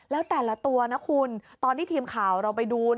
แล้วแต่ละตัวนะคุณตอนที่ทีมข่าวเราไปดู